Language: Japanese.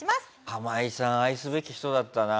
ハマイさん愛すべき人だったな。